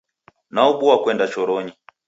Naubua kwenda choronyi